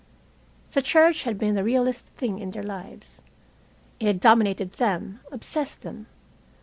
The church had been the realest thing in their lives. It had dominated them, obsessed them.